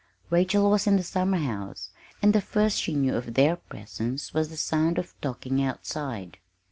Rachel was in the summerhouse, and the first she knew of their presence was the sound of talking outside.